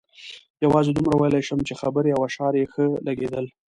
یوازې دومره ویلای شم چې خبرې او اشعار یې ښه لګېدل.